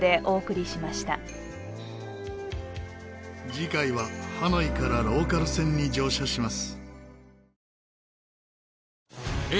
次回はハノイからローカル線に乗車します。